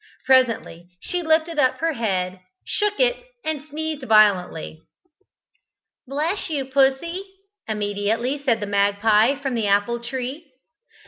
Presently she lifted up her head, shook it, and sneezed violently. "Bless you, Pussy," immediately said the magpie from the apple tree.